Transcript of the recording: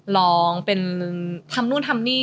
ร้องเป็นทำนู่นทำนี่